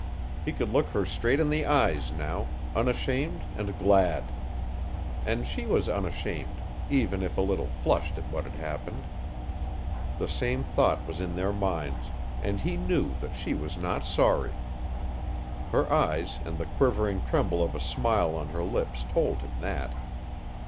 He could look her straight in the eyes now unashamed and glad. And she was unashamed, even if a little flushed at what had happened. The same thought was in their minds and he knew that she was not sorry. Her eyes and the quivering tremble of a smile on her lips told him that.